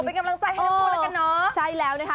เป็นกำลังไซด์แฮปพูนแล้วกันเนอะใช่แล้วนะคะโอ้โฮ